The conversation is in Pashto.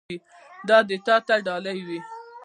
دا دې تا ته ډالۍ وي.